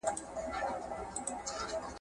هرځل چې زغم زیات شي، کرکه نه پیاوړې کېږي.